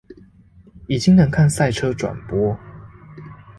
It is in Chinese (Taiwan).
已經能看賽車轉播